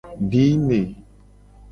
Dime.